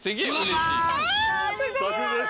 久しぶりです！